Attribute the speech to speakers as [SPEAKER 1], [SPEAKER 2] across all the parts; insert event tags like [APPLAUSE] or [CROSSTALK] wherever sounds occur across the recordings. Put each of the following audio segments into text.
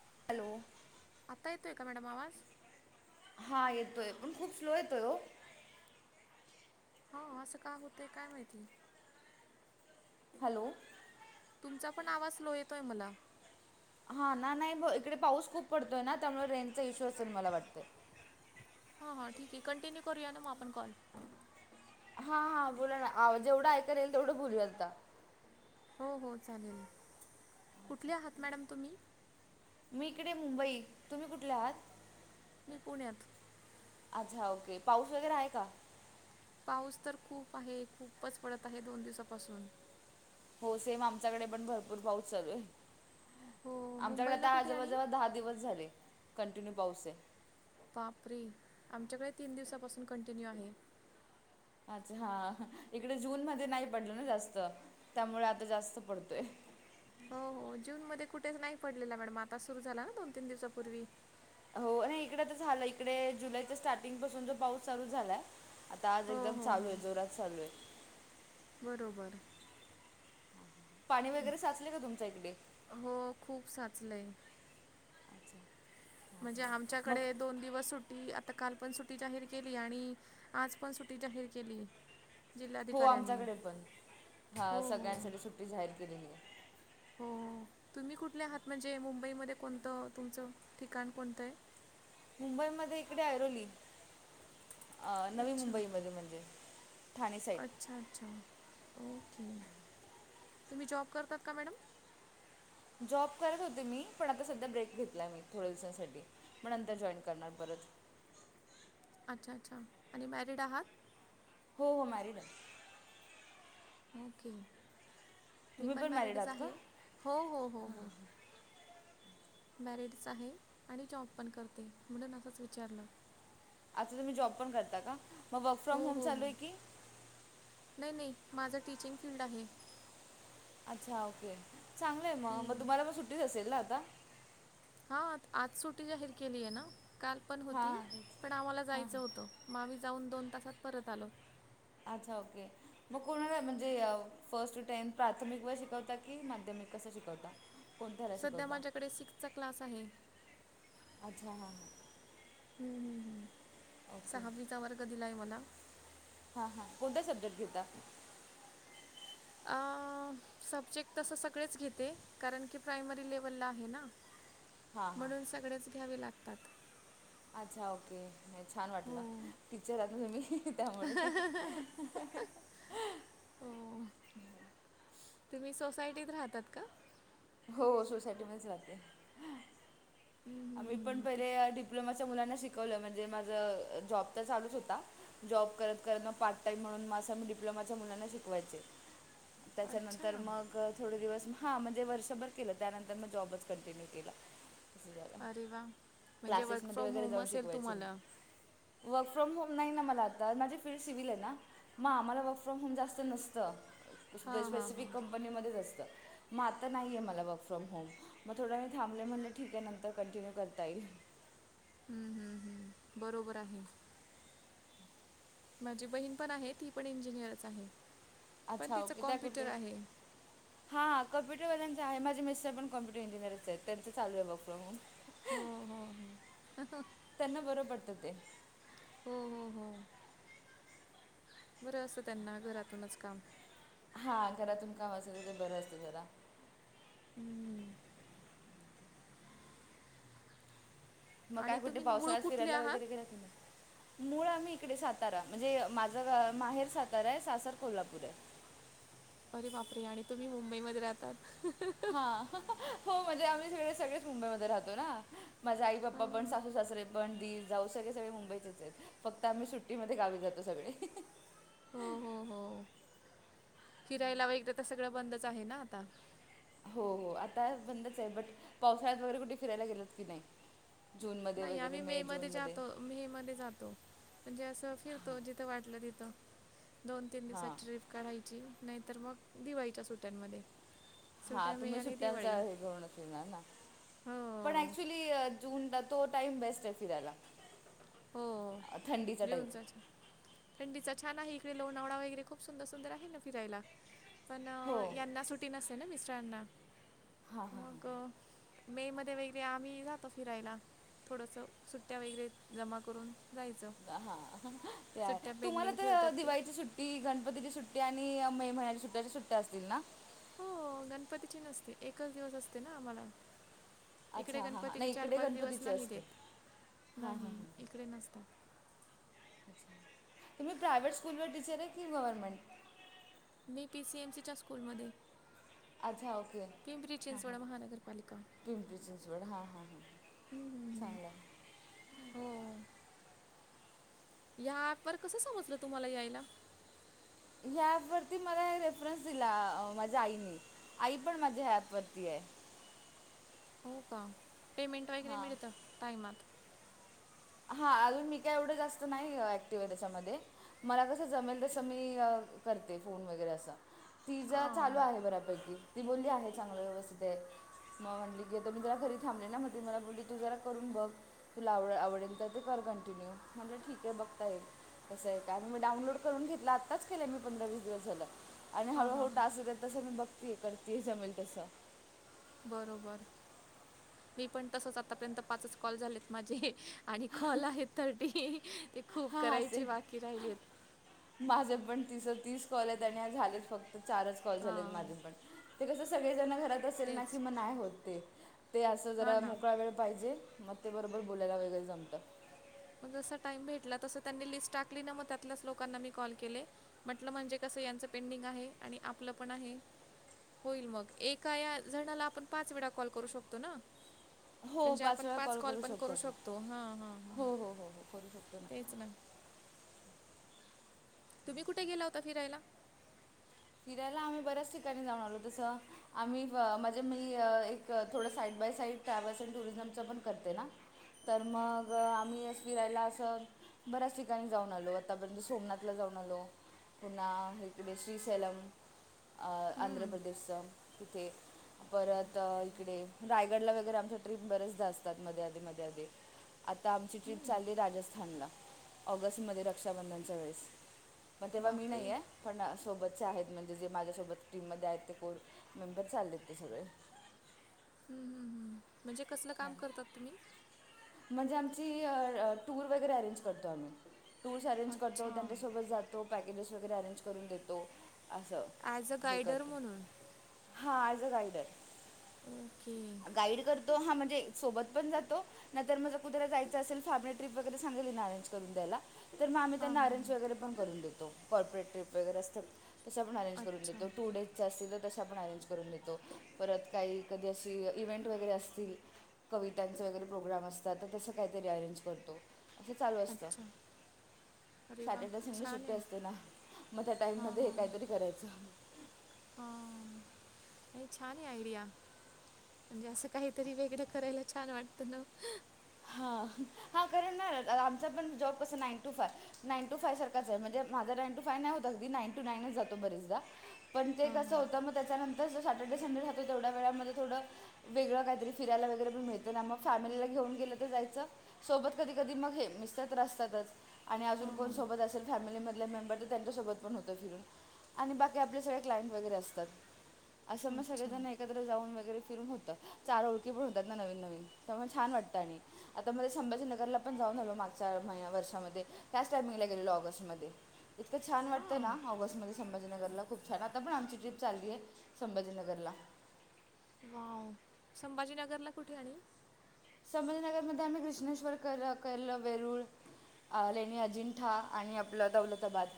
[SPEAKER 1] [UNINTELLIGIBLE]
[SPEAKER 2] आत्ता येतोय का मॅडम आवाज?
[SPEAKER 1] हा येतोय पण खूप स्लो येतोय हो.
[SPEAKER 2] होा असं का होतय काय माहिती?
[SPEAKER 1] हॅलो.
[SPEAKER 2] तुमचा पण आवाज स्लो येतोय मला.
[SPEAKER 1] हा ना नाही म इकडे पाऊस खूप पडतोय ना त्यामुळे रेंजचा इश्यू असेल मला वाटतंय.
[SPEAKER 2] हा हां ठीक आहे कंटिन्यू करूया ना मग आपण कॉल
[SPEAKER 1] हा हा बोला ना जेवढं ऐकायलां येईल तेवढं बोलूया आता
[SPEAKER 2] हो हो चालेल कुठल्या आहात मॅडम तुम्ही?
[SPEAKER 1] मी इकडे मुंबई तुम्ही कुठल्या आहात?
[SPEAKER 2] मी पुण्यात
[SPEAKER 1] अच्छा ओके पाऊस वगैरे आहे का?
[SPEAKER 2] पाऊस तर खूप आहे खूपच पडत आहे दोन दिवसापासून
[SPEAKER 1] हो सेम आमच्याकडे पण भरपूर पाऊस चालू आहे.
[SPEAKER 2] हो
[SPEAKER 1] आमच्याकडे
[SPEAKER 2] मुंबईला
[SPEAKER 1] आता
[SPEAKER 2] कुठे आणि?
[SPEAKER 1] जवळजवळ दहा दिवस झाले कंटिन्यू पाऊस आहे.
[SPEAKER 2] बापरे आमच्याकडे तीन दिवसापासून कंटिन्यू आहे.
[SPEAKER 1] अच्छा हा इकडे जून मध्ये नाही पडलं ना जास्त त्यामुळे आता जास्त पडतोय.
[SPEAKER 2] हो हो जून मध्ये कुठेच नाही पडलेला मॅडम आता सुरू झाला ना दोन तीन दिवसांपूर्वी
[SPEAKER 1] हो नाही इकड तर झालं इकडे जुलैच्या स्टार्टिंग पासून जो पाऊस चालू झालाय. आता आज
[SPEAKER 2] हो
[SPEAKER 1] एकदम
[SPEAKER 2] हो
[SPEAKER 1] चालू
[SPEAKER 2] हो
[SPEAKER 1] आहे जोरात चालू आहे.
[SPEAKER 2] बरोबर.
[SPEAKER 1] पाणी वगैरे साचले का तुमच्या इकडे
[SPEAKER 2] हो खूप साचलंय म्हणजे
[SPEAKER 1] मग
[SPEAKER 2] आमच्याकडे दोन दिवस सुटी आता काल पण सुट्टी जाहीर केली आणि आज पण सुटी जाहीर केली.
[SPEAKER 1] हो
[SPEAKER 2] जिल्हाधिकाऱ्यांनी
[SPEAKER 1] आमच्याकडे पण हा
[SPEAKER 2] हो हो
[SPEAKER 1] सगळ्यांसाठी सुट्टी जाहीर केलेली आहे.
[SPEAKER 2] हो तुम्ही कुठल्या आहात म्हणजे मुंबईमध्ये कोणतं तुमचं ठिकाण कोणतं आहे.
[SPEAKER 1] मुंबईमध्ये इकडे यरोली अ नवी
[SPEAKER 2] अच्छा
[SPEAKER 1] मुंबईमध्ये म्हणजे ठाणे साईट
[SPEAKER 2] अच्छा अच्छा ओके तुम्ही जॉब करतात का मॅडम?
[SPEAKER 1] जॉब करत होते मी पण आता सध्या ब्रेक घेतला मी थोड्या दिवसांसाठी मग नंतर जॉईन करणार परत,
[SPEAKER 2] अच्छा अच्छा आणि मॅरड आहात?
[SPEAKER 1] हो हो माॅरीड आहे.
[SPEAKER 2] ओके मी
[SPEAKER 1] तुम्ही
[SPEAKER 2] पण
[SPEAKER 1] मॅरिड
[SPEAKER 2] मॅरिडच
[SPEAKER 1] आहात का
[SPEAKER 2] आहे हो हो हो हो. मॅरिडच आहे आणि जॉब पण करते म्हणून असंच विचारलं.
[SPEAKER 1] आता तुम्ही जॉब पण करता का मग वर्क फ्रॉम
[SPEAKER 2] हो
[SPEAKER 1] होम
[SPEAKER 2] हो
[SPEAKER 1] चालू
[SPEAKER 2] हो
[SPEAKER 1] आहे की
[SPEAKER 2] नाही नाही माझं टीचिंग फील्ड आहे.
[SPEAKER 1] अच्छा ओके चांगलंय मग मग
[SPEAKER 2] हम्म.
[SPEAKER 1] तुम्हाला पण सुट्टीच असेल ना आता.
[SPEAKER 2] हां आज सुटी जाहीर केली आहे ना काल पण
[SPEAKER 1] हां
[SPEAKER 2] होती
[SPEAKER 1] हां तेच
[SPEAKER 2] पण आम्हाला
[SPEAKER 1] हां
[SPEAKER 2] जायचं
[SPEAKER 1] हां
[SPEAKER 2] होतं. म आम्ही जाऊन दोन तासात परत आलो.
[SPEAKER 1] अच्छा ओके. मग कोणाला म्हणजे फर्स्ट टेनथ प्राथमिक वाईज शिकवता की माध्यमिक कं शिकवता? कोणत्या ह्याला
[SPEAKER 2] सध्या
[SPEAKER 1] शिकवता
[SPEAKER 2] माझ्याकडे सिक्सचा क्लास आहे.
[SPEAKER 1] अच्छा हां ह.
[SPEAKER 2] हम्म हम् हम्
[SPEAKER 1] ओके
[SPEAKER 2] साहवीचा वर्ग दिलाय मला
[SPEAKER 1] हा हा कोणत्या सबजेक्ट घेता?
[SPEAKER 2] सब्जेक्ट तसं सगळेच घेते कारण की प्रायमरी लेवलला आहे ना.
[SPEAKER 1] हां हां
[SPEAKER 2] म्हणून सगळेच घ्यावे लागतात.
[SPEAKER 1] अच्छा ओके नाही छान
[SPEAKER 2] हो
[SPEAKER 1] वाटलं टिचर आहात ना तुम्ही अ हं. त्यामुळे अ हं हं हं.
[SPEAKER 2] हो तुम्ही सोसायटीत राहतात का?
[SPEAKER 1] हो सोसायटी मध्येच राहाते.
[SPEAKER 2] हम्म, हम्म,
[SPEAKER 1] आम्ही पण
[SPEAKER 2] हम्म. ते-
[SPEAKER 1] पहिले डिप्लोमाच्या मुलांना शिकवलं म्हणजे माझा जॉब तर चालूच होता. जॉब करत करत न पार्ट टाइम म्हणून मग असं डिप्लोमाच्या मुलांना शिकवायचे. त्याच्यानंतर
[SPEAKER 2] अच्छा
[SPEAKER 1] मग थोडे दिवस म हां म्हणजे वर्षभर केलं त्यानंतर म जॉबच कंटिन्यूव केला अस झालं.
[SPEAKER 2] अरे वा म्हणजे वर्क
[SPEAKER 1] क्लासेसमध्ये
[SPEAKER 2] फ्रॉम
[SPEAKER 1] वगैरे
[SPEAKER 2] होम
[SPEAKER 1] जाऊन
[SPEAKER 2] असेल
[SPEAKER 1] शिकवायचे
[SPEAKER 2] तुम्हाला.
[SPEAKER 1] मी वर्क फ्रॉम होम नाही ना मला आता माझे फिल्ड सिव्हल आहे ना मग आम्हाला वर्क फ्रॉम होम जास्त नसतं स्पेस
[SPEAKER 2] हां हां
[SPEAKER 1] स्पेसिफिक
[SPEAKER 2] हां
[SPEAKER 1] कंपनीमध्येच असतं. मग आता नाहीये मला वर्क फ्रॉम होम मग थोडं वेळ थांबले म्हटले ठीक आहे नंतर कंटिन्यूव करता येईल.
[SPEAKER 2] हम्म हम्म हम बरोबर आहे. माझी बहीण पण आहे ती पण इंजिनिअर पण
[SPEAKER 1] अच्छा
[SPEAKER 2] तिचं
[SPEAKER 1] ओके त्या कुठे
[SPEAKER 2] कॉम्प्युटर
[SPEAKER 1] आहेत?
[SPEAKER 2] आहे.
[SPEAKER 1] हां कम्पुटरवाल्यांच आहे माझे मिस्टर पण कम्प्युटर इंजिनिअरच आहेत, त्यांच चालू आहे वर्क फॉर्म होम.
[SPEAKER 2] हो हो हो हं हं.
[SPEAKER 1] त्यांना बरं पडतं ते.
[SPEAKER 2] हो हो हो. बरं असं त्यांना घरातूनच काम
[SPEAKER 1] हा घरातूनच काम असेल तर बरं असतं जरा
[SPEAKER 2] हं.
[SPEAKER 1] मग
[SPEAKER 2] आणि
[SPEAKER 1] काय कुठे
[SPEAKER 2] तुम्ही मूळ
[SPEAKER 1] पावसाळ्यात
[SPEAKER 2] कुठले
[SPEAKER 1] फिरायला वगैरे
[SPEAKER 2] आहात
[SPEAKER 1] गेलात कि नाई? मूळ आम्ही इकडे सातारा म्हणजे माझं माहेर साताराय सासर कोल्हापूर ये.
[SPEAKER 2] अरे बापरे आणि तुम्ही मुंबईमध्ये राहतात ह ह.
[SPEAKER 1] हा हं हं हो म्हणजे आम्ही सगळे सगळेच मुंबईमध्ये राहतो ना. माझे आई बाबा पण
[SPEAKER 2] हो
[SPEAKER 1] सासू सासरे पण दिर जाऊ सगळे सगळे मुंबईतच आहेत फक्त आम्ही सुट्टीमध्ये गावी जातो सगळे अ हं हं.
[SPEAKER 2] हो हो हो फिरायला वैगेरे सगळं बंदच आहे ना आता.
[SPEAKER 1] हो हो आता बंदच आहे बट पावसाळ्यात वगैरे कुठे फिरायला गेलात की नाही? जूनमध्ये वगैरे मे जून मध्ये
[SPEAKER 2] मे मध्ये जातो म्हणजे असं फिरतो जिथं वाटलं तिथं. दोन तीन दिवसात
[SPEAKER 1] हां
[SPEAKER 2] ट्रीप काढायची नाहीतर मग दिवाळीच्या सुट्यांमध्ये.
[SPEAKER 1] हा तुम्ही सुट्ट्यांचा हे करूनच फिरणार ना पण
[SPEAKER 2] हो
[SPEAKER 1] ऍक्च्युली जूनला तो टाइम बेस्ट आहे फिरायला.
[SPEAKER 2] हो
[SPEAKER 1] अ, थंडीचा टाईम
[SPEAKER 2] घेऊन जा चा थंडीचा छान आहे इकडे लोणावळा वगैरे खूप सुंदर सुंदर आहे ना फिरायला. पण
[SPEAKER 1] हो
[SPEAKER 2] यांना सुटी नसते ना मिस्टरांना
[SPEAKER 1] हां
[SPEAKER 2] मग मे मध्ये वगैरे आम्ही जातो फिरायला थोडंसं सुट्ट्या वगैरे जमा करून जायचं.
[SPEAKER 1] हा अ हं हं ते आहे
[SPEAKER 2] सुट्ट्या
[SPEAKER 1] तुम्हाला
[SPEAKER 2] पेंडिंग
[SPEAKER 1] तर
[SPEAKER 2] ठेवतात ते
[SPEAKER 1] दिवाळीच्या सु टी गणपतीची सुट्टी आणि मे महिन्याची सुट्ट्या अश्या सुट्ट्या असतील ना?
[SPEAKER 2] हो गणपतीची नसते एकच दिवस असते ना आम्हाला. इकडे
[SPEAKER 1] अच्छा हां हां
[SPEAKER 2] गणपतीचे
[SPEAKER 1] नाही
[SPEAKER 2] चार
[SPEAKER 1] इकडे
[SPEAKER 2] पाच दिवस
[SPEAKER 1] गणपतीची
[SPEAKER 2] नाही
[SPEAKER 1] असते
[SPEAKER 2] देत
[SPEAKER 1] हां हां
[SPEAKER 2] नाही
[SPEAKER 1] हां
[SPEAKER 2] इकडे नसतात.
[SPEAKER 1] तुम्ही प्रायव्हेट स्कूल वर टीचर आहे की गव्हर्नमेंट?
[SPEAKER 2] मी पीसीएमसीच्या स्कूलमध्ये
[SPEAKER 1] अच्छा ओके
[SPEAKER 2] पिंपरी
[SPEAKER 1] हां हां
[SPEAKER 2] चिंचवडा महानगरपा
[SPEAKER 1] पिंपरी चिंचवड हा हा
[SPEAKER 2] हम्म, हम्म, हम्म.
[SPEAKER 1] चांगलाय.
[SPEAKER 2] हो या ॲप वर कसं समजलं तुम्हाला यायला?
[SPEAKER 1] ह्या ॲप वरती मला रेफरन्स दिला अ माझ्या आईने. आई पण माझी ह्या ॲप वरती आहे.
[SPEAKER 2] हो का [INAUDIBLE] पेमेंट वगैरे
[SPEAKER 1] हां
[SPEAKER 2] मिळतं टायमात.
[SPEAKER 1] हा अजून मी काय एवढं जास्त नाही ऍक्टिव्ह त्याच्यामध्ये. मला कसं जमेल तसं मी [INAUDIBLE] करते फोन वगैरे असं.. पिझ्झा
[SPEAKER 2] हां
[SPEAKER 1] चालू आहे बऱ्यापैकी ती बोलली आहे चांगली व्यवस्थित आहे. मग म्हटली की, तर मी जरा घरी थांबले ना मग मला बोलली तू जरा करून बघ तुला आवड [INAUDIBLE] आवडेल. ते कर कंटिन्यूव म्हटलं ठीक आहे बघता येईल कसं आहे काय मग डाउनलोड करून घेतला आत्ताच केलंय मी पंधरा वीस दिवस झालं. आणि
[SPEAKER 2] हां हां
[SPEAKER 1] हळूहळू
[SPEAKER 2] हां
[SPEAKER 1] टास्क येतात तसं मी बघतेय करतीये जमेल तसं.
[SPEAKER 2] बरोबर. मी पण तसंच आतापर्यंत पाचच कॉल झालेत माझे. आणि कॉल आहेत तर, [UNINTELLIGIBLE] तें खूप
[SPEAKER 1] हां हां
[SPEAKER 2] करायचे
[SPEAKER 1] सेम
[SPEAKER 2] बाकी राहिलेत.
[SPEAKER 1] माझे पण तीस -तीस कॉल आहेत आणि झालेत फक्त चारच कॉल झालेत
[SPEAKER 2] हां
[SPEAKER 1] माझे पण ते कसं सगळेजण घरात असेल ना कि
[SPEAKER 2] तेच
[SPEAKER 1] मग नाय होत ते. ते असं
[SPEAKER 2] हां
[SPEAKER 1] जरा
[SPEAKER 2] ना
[SPEAKER 1] मोकळा वेळ पाहिजे, मग ते बरोबर बोलायला वगैरे जमतं.
[SPEAKER 2] मग जंस टाइम भेटला तसं त्यांनी लिस्ट टाकली ना मग त्यातल्याच लोकांना मी कॉल केले. म्हटलं म्हणजे कसं याचे पेंडिंग आहे. आणि आपलं पण आहे. होईल मग एका या जणाला आपण पाच वेळा कॉल करू शकतो ना? म्हणजे आपण पाच कॉल पण करू शकतो हा -हा -हा.
[SPEAKER 1] हो हो हो हो करू शकतोय.
[SPEAKER 2] तेच ना.. तुम्ही कुठे गेला होता फिरायला?
[SPEAKER 1] फिरायला आम्ही बऱ्याच ठिकाणी जाऊन आलो तस आम्ही म्हणजे मी एक थोडं side by side travels and टुरिझमच पण करते ना.. तर मग आम्ही फिरायला असं.. बऱ्याच ठिकाणी जाऊन आलो आतापर्यंत सोमनाथला जाऊन आलो पुन्हा इकडे श्री.. झेलम, अ..
[SPEAKER 2] हम्म,
[SPEAKER 1] आंधरप्रदेश चं तिथे. परत इकडे रायगडला वगैरे आपल्या ट्रीप बऱ्याचदा असतात मध्ये आधी- मध्ये आधी. आता आमची ट्रीप चालली राजस्थानला ऑगस्टमध्ये रक्षाबंधनच्या वेळेस. मग तेव्हा मी
[SPEAKER 2] बापरे
[SPEAKER 1] नाही आहे
[SPEAKER 2] हम्म,
[SPEAKER 1] पण सोबत चे आहेत म्हणजे जे माझ्यासोबत टीम मध्ये आहेत ते कोण मेंबर चाललेत ते सगळे.
[SPEAKER 2] हं हं हं म्हणजे कसलं काम करतात तुम्ही?
[SPEAKER 1] म्हणजे आमची टूर वगैरे अरेंज करतो आम्ही टूर्स अरेंज करतो
[SPEAKER 2] अच्छा
[SPEAKER 1] त्यांच्यासोबत जातो पॅकेजेस वगैरे अरेंज करून देतो. असं
[SPEAKER 2] ॲज अ गायडर म्हणून
[SPEAKER 1] हा as a guider.
[SPEAKER 2] Okay.
[SPEAKER 1] Guide करतो, हा म्हणजे सोबत पण जातो. नंतर मग कुठेतरी जायंच असेल फॅमिली ट्रीप वगैरे सांगेल ना अरेंज करून द्यायला. तर मग आम्ही
[SPEAKER 2] हां
[SPEAKER 1] त्यांना
[SPEAKER 2] हां
[SPEAKER 1] अरेंज
[SPEAKER 2] हां
[SPEAKER 1] वगैरे पण करून देतो कॉर्पोरेट ट्रीप.. वगैरे असतात तसं आपण अरेंज करून
[SPEAKER 2] अच्छा
[SPEAKER 1] देतो टू डेज असतील तर त आपण अरेंज करून देतो परत काही कधी अशी इव्हेंट वगैरे असतील कवितांच वगैरे प्रोग्राम असतात तर तसं काहीतरी अरेंज करतो. ते चालू असत.
[SPEAKER 2] अच्छा अरे वा
[SPEAKER 1] सॅटरडे संडे
[SPEAKER 2] छान
[SPEAKER 1] सुट्टी
[SPEAKER 2] आहे
[SPEAKER 1] असते ना मग त्या टाइम
[SPEAKER 2] हां
[SPEAKER 1] मध्ये हे
[SPEAKER 2] हां
[SPEAKER 1] काहीतरी करायचं.
[SPEAKER 2] हां नाही छान आहे आयडिया. म्हणजे असं काहीतरी वेगळं करायला छान वाटतं ना.
[SPEAKER 1] हा -हा कारण ना आमचा पण जॉब कसा नाईन टू फार नाईन टू फायव फाय सारखाच आहे म्हणजे माझा नाईन टू फाय नाही होता अगदी नाईन टू नाईनच जातो बरंचदा. पण ते
[SPEAKER 2] हां
[SPEAKER 1] कंस
[SPEAKER 2] हां
[SPEAKER 1] होतं मग त्याच्यानंतर सॅटर्डे संडे राहत्यात तो तेवढ्या वेळामध्ये थोडं वेगळं काय तरी फिरायला वगैरे पण मिळते ना मग फॅमिलीला घेऊन गेलं जायच सोबत कधी- कधी मग हे मिस्टर तर असतातच. आणि अजून
[SPEAKER 2] हां
[SPEAKER 1] कोण
[SPEAKER 2] हां
[SPEAKER 1] सोबत असेल फॅमिलीमधले मेंबर त्यांच्या सोबत पण होत फिरून आणि बाकी आपले सगळे क्लाइंट वगैरे असतात. असं मग
[SPEAKER 2] अच्छा
[SPEAKER 1] सगळेजण एक एकत्र जाऊन वगैरे फिरून होतं चार ओळखी पण होतात ना नवीन नवीन तर त्यामुळ छान वाटतं आणि आता मध्ये संभाजीनगरला पण जाऊन आलो मागच्या महिन् वर्षामध्ये त्याच टाइमिंगला गेलेलो ऑगस्टमध्ये. इतकं छान वाटतं
[SPEAKER 2] हां
[SPEAKER 1] ना ऑगस्टमध्ये संभाीनगरला खूप छान आता पण आमची ट्रीप चाललीये संभाजीनगरला.
[SPEAKER 2] वाव! संभाजीनगरला कुठे? आणि
[SPEAKER 1] संभाजीनगरमध्ये आम्ही कृष्णेश्वर केल केलं वेरुळ अ लेणी अजिंठा आणि आपलं दौलताबाद.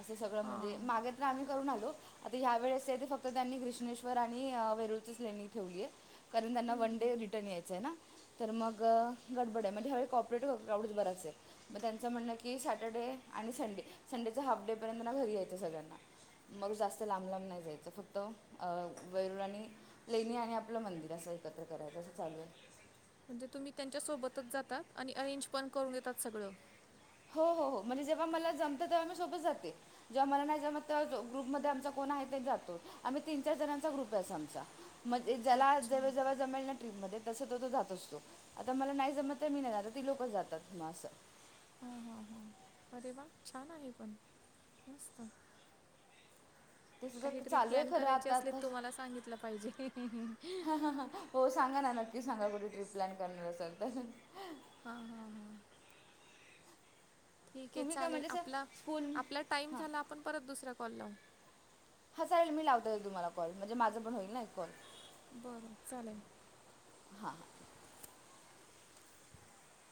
[SPEAKER 1] असं सगळं
[SPEAKER 2] हां
[SPEAKER 1] म्हणजे मागे तर आम्ही करून आलो आता ह्या वेळेसये ते फक्त त्यांनी कृष्णेश्वर आणि अ वेरुळचीच लेणी ठेवलीय. कारण त्यांना वन डे रिटर्न यायचंय ना. तर मग गडबड आहे म्हणजे ह्यावेळी कॉ-ऑपरेटवं क्राऊड बराच आहे. मग त्यांचं म्हणणं की सॅटरडे आणि संडे संडेच हाफ डे पर्यंत ना घरी यायचं सगळ्यांना. मग जास्त लांब लांब नाय जायचं फक्त अ वैरूळ आणि लेणी आणि आपलं मंदिर असं एकत्र करायच असं चालू आहे.
[SPEAKER 2] म्हणजे तुम्ही त्यांच्या सोबतच जाता आणि अरेंज पण करून येतात सगळं
[SPEAKER 1] हो हो हो म्हणजे जेव्हा मला जमत तेव्हा मी सोबत जाते. जेव्हा मला नाय जमत तेव्हा ग्रुपमध्ये आमचा कोण आहे ते जातो. आम्ही तीन चार जणांचा ग्रुप आहे असा आमचा म्हणजे ज्याला
[SPEAKER 2] अच्छा
[SPEAKER 1] जेवे जवळ जमेल ना ट्रीप मध्ये तस तो तो जात असतो आता मला नाय जमतये मी नाय आता ती लोक जातात म असं
[SPEAKER 2] ह हा हा अरे वा! छान आहे पण मस्त.
[SPEAKER 1] ते सुद्धा
[SPEAKER 2] काही ट्रिप
[SPEAKER 1] चालू आहे
[SPEAKER 2] प्लॅन
[SPEAKER 1] खरं
[SPEAKER 2] करायची
[SPEAKER 1] आता
[SPEAKER 2] असले
[SPEAKER 1] आताच
[SPEAKER 2] तुम्हाला सांगितलं पाहिजे.
[SPEAKER 1] हो सांगा ना नक्की सांगा कुठे ट्रीप प्लॅन करणार असाल तर.
[SPEAKER 2] हा हा हा. ठीक आहे
[SPEAKER 1] तुम्ही काय
[SPEAKER 2] चालेल
[SPEAKER 1] म्हणजे असं
[SPEAKER 2] आपला
[SPEAKER 1] स्कूल
[SPEAKER 2] आपला टाईम
[SPEAKER 1] हां
[SPEAKER 2] झाला आपण परत दुसरा कॉल लावू.
[SPEAKER 1] हा चालेल मी लावते तुम्हाला कॉल म्हणजे माझ पण होईल ना एक कॉल.
[SPEAKER 2] बरं चालेल.
[SPEAKER 1] हा